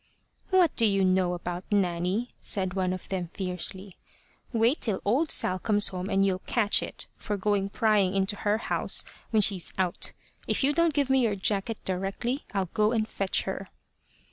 "What do you know about Nanny?" said one of them fiercely. "Wait till old Sal comes home, and you'll catch it, for going prying into her house when she's out. If you don't give me your jacket directly, I'll go and fetch her."